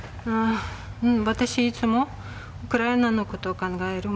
私、いつもウクライナのことを考える。